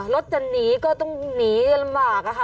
รถจะหนีก็ต้องหนีลำบาก